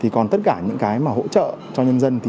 còn tất cả những hỗ trợ cho nhân dân